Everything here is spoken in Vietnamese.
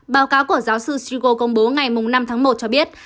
báo cáo của giáo sư srigo công bố ngày năm tháng một cho biết